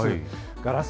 ガラス